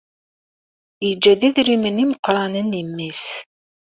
Yeǧǧa-d idrimen imeqqranen i mmi-s.